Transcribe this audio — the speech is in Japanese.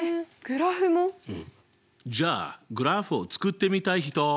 じゃあグラフを作ってみたい人？